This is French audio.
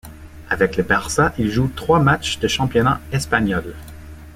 Avec le Barça, il joue trois matches de championnat espagnol.